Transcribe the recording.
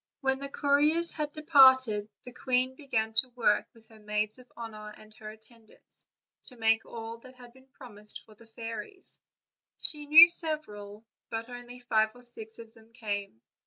When the couriers had departed the queen began to work with her maids of honor and her attendants, to. make all that had been promised for the fairies; she knew several, but only five or six of them came.